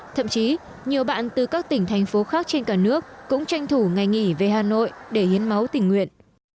thậm chí nhiều bạn từ các tỉnh thành phố khác trên cả nước cũng tranh thủ ngày nghỉ về hà nội để hiến máu tình nguyện